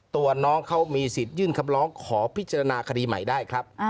ตัวน้องเขามีสิทธิ์ยื่นคำร้องขอพิจารณาคดีใหม่ได้ครับ